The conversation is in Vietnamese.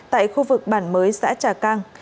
tại khu vực bản mới xã trà cang